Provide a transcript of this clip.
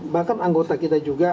bahkan anggota kita juga